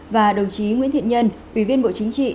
và đồng chí nguyễn thiện nhân ủy viên bộ chính trị